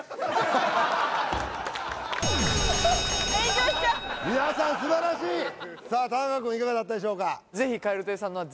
炎上しちゃう皆さん素晴らしいさあ田中君いかがだったでしょうか？